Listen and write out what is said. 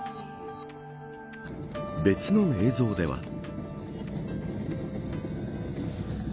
別の映像では。